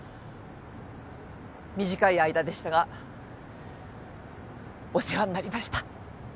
短い間でしたがお世話になりました。